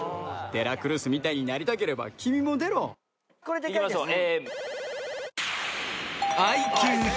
「デラクルスみたいになりたければ君も出ろ」いきましょう。